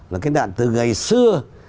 là cái đạn từ ngày xưa